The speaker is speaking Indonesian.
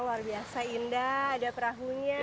luar biasa indah ada perahunya